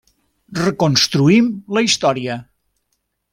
Reconstruïm la història.